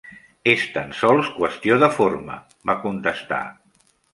'És tan sols qüestió de forma', va contestar.